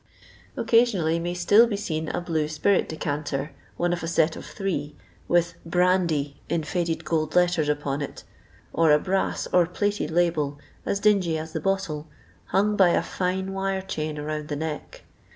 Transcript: Occasionally may still be seen a blue spirit decanter, one of aset of three, with "brandy," in fiuled gold letters, upon it, or a brass or plated label, as dingy as the bottle, hung by a fine wire chain round the neck.